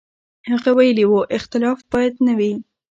هغه ویلي و، اختلاف باید نه وي.